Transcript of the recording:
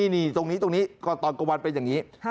นี่ตรงนี้ตรงนี้ก็ตอนกลางวันเป็นอย่างนี้